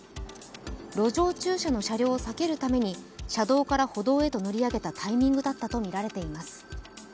路上駐車の車両を避けるために車道から歩道へと乗り上げたタイミングだったとみられています。